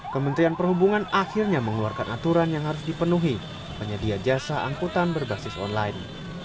kementerian perhubungan akhirnya mengeluarkan aturan yang harus dipenuhi penyedia jasa angkutan berbasis online